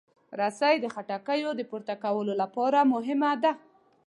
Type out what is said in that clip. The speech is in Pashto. رسۍ د خټکو د پورته کولو لپاره مهمه ده.